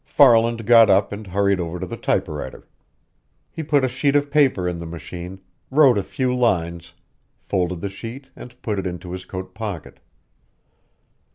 Farland got up and hurried over to the typewriter. He put a sheet of paper in the machine, wrote a few lines, folded the sheet and put it into his coat pocket.